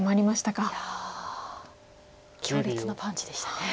いや強烈なパンチでした。